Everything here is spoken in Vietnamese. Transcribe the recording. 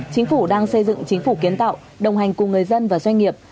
chính phủ đang xây dựng chính phủ kiến tạo đồng hành cùng người dân và doanh nghiệp